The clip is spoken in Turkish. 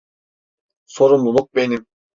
Sorumluluk benim.